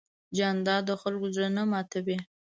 جانداد د خلکو زړه نه ماتوي.